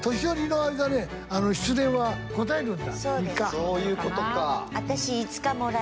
そういうことか。